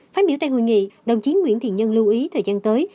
phát biểu tại hội nghị đồng chí nguyễn thiện nhân lưu ý thời gian tới